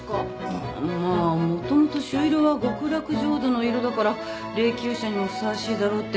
まあもともと朱色は極楽浄土の色だから霊きゅう車にもふさわしいだろうって。